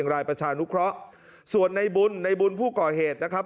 รายประชานุเคราะห์ส่วนในบุญในบุญผู้ก่อเหตุนะครับ